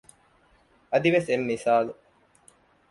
އަދިވެސް އެއް މިސާލު